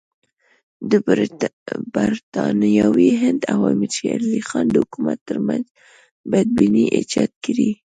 د برټانوي هند او امیر شېر علي خان د حکومت ترمنځ بدبیني ایجاد کړي.